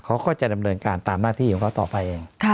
เขาก็จะดำเนินการตามหน้าที่ของเขาต่อไปเอง